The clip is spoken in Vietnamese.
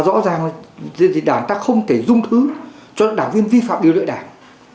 và rõ ràng là đảng ta không thể dung thứ cho những đảng viên vi phạm điều lợi đảng